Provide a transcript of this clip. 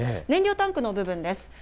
燃料タンクの部分です。